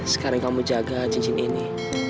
sekarang kamu jaga cincin ini